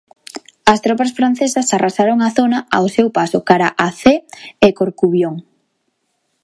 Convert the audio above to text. As tropas francesas arrasaron a zona ao seu paso cara a Cee e Corcubión.